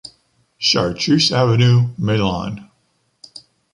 Chartreuse Avenue, Meylan